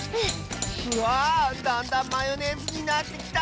わあだんだんマヨネーズになってきた！